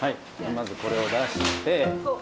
まずこれを出して。